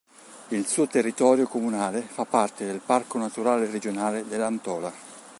Il suo territorio comunale fa parte del Parco naturale regionale dell'Antola.